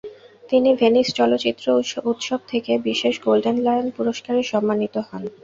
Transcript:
তিনি ভেনিস চলচ্চিত্র উৎসব থেকে বিশেষ গোল্ডেন লায়ন পুরস্কারে সম্মানিত হন।